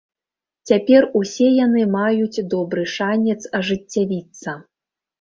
Цяпер усе яны маюць добры шанец ажыццявіцца.